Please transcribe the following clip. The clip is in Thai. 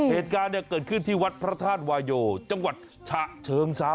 เหตุการณ์เกิดขึ้นที่วัดพระธาตุวายโยจังหวัดฉะเชิงเซา